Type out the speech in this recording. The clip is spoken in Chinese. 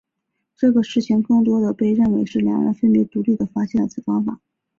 这个事情更多地被认为是两人分别独立地发现了此方法。